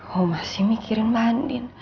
kok masih mikirin mbak andin